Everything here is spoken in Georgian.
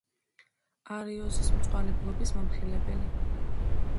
არიოზის მწვალებლობის მამხილებელი.